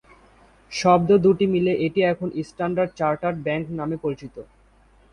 শব্দ দুটি মিলে এটি এখন স্ট্যান্ডার্ড চার্টার্ড ব্যাংক নামে পরিচিত।